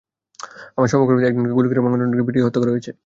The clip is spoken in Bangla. আমার সহকর্মীদের একজনকে গুলি করে এবং অন্যজনকে পিটিয়ে হত্যা করা হয়েছে।